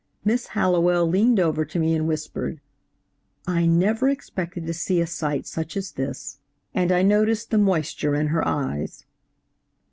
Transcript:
Miss Hallowell leaned over to me and whispered, 'I never expected to see such a sight as this,' end I noticed the moisture in her eyes.